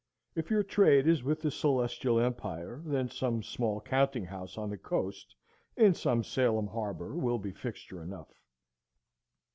If your trade is with the Celestial Empire, then some small counting house on the coast, in some Salem harbor, will be fixture enough.